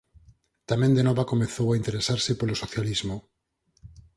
Tamén de nova comezou a interesarse polo socialismo.